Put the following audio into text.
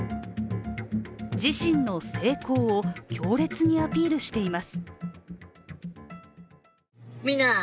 自身の成功を強烈にアピールしています。